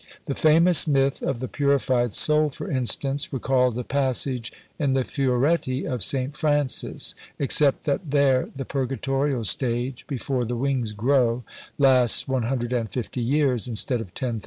The famous myth of the purified soul, for instance, recalled a passage in the Fioretti of St. Francis, except that there the purgatorial stage, before the "wings grow," lasts 150 years, instead of 10,000.